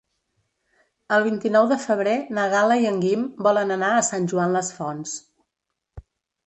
El vint-i-nou de febrer na Gal·la i en Guim volen anar a Sant Joan les Fonts.